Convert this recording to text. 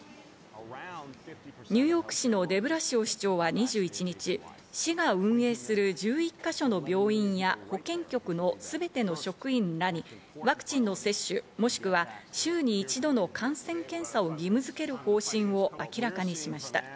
ニューヨーク市のデブラシオ市長は２１日、市が運営する１１か所の病院や保健局の全ての職員らにワクチンの接種、もしくは週に一度の感染検査を義務づける方針を明らかにしました。